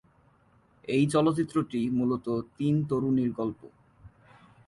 এই চলচ্চিত্রটি মূলত তিন তরুণীর গল্প।